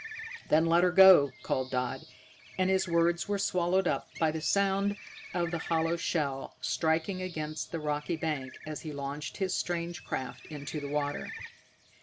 "Then let 'er go," called Dodd, and his words were swallowed up by the sound of the hollow shell striking against the rocky bank as he launched his strange craft into the water.